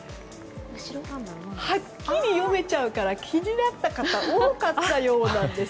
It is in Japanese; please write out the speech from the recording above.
はっきり読めちゃうから気になった方多かったようなんです。